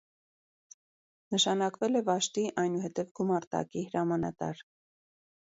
Նշանակվել է վաշտի, այնուհետև գումարտակի հրամանատար։